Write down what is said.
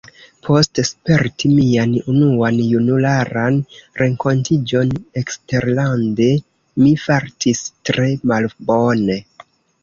Post sperti mian unuan junularan renkontiĝon eksterlande, mi fartis tre malbone.